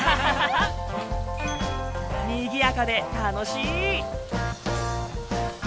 にぎやかで楽しい。